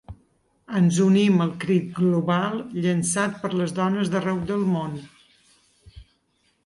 Ens unim al crit global, llançat per les dones d’arreu del món.